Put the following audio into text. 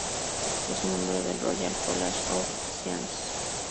Es miembro del Royal College of Physicians.